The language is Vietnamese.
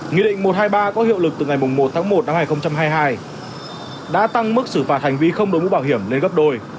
nghị định một trăm hai mươi ba có hiệu lực từ ngày một tháng một năm hai nghìn hai mươi hai đã tăng mức xử phạt hành vi không đổi mũ bảo hiểm lên gấp đôi